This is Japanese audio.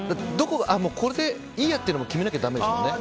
これでいいやっていうのも決めなきゃだめですもんね。